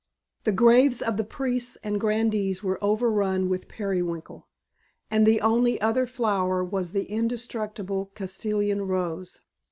The graves of the priests and grandees were overrun with periwinkle, and the only other flower was the indestructible Castilian rose.